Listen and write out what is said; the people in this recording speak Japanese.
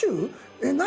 えっ何？